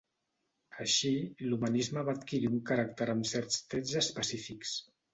Així, l'Humanisme va adquirir un caràcter amb certs trets específics.